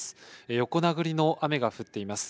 横殴りの雨が降っています。